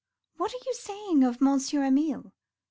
What are you saying of Monsieur Emile?